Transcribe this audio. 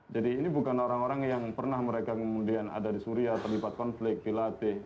jadi ini bukan orang orang yang pernah mereka kemudian ada di syria terlibat konflik dilatih